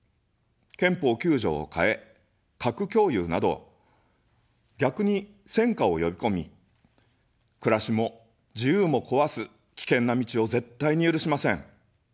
憲法９条を変え、核共有など、逆に戦火をよびこみ、暮らしも自由も壊す、危険な道を絶対に許しません。